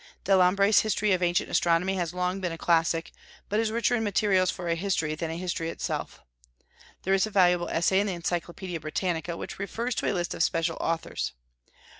Delambre's History of Ancient Astronomy has long been a classic, but is richer in materials for a history than a history itself. There is a valuable essay in the Encyclopaedia Britannica, which refers to a list of special authors.